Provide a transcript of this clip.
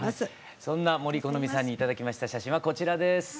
そんな杜このみさんに頂きました写真はこちらです。